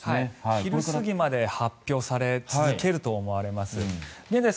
昼過ぎまで発表され続けると思います。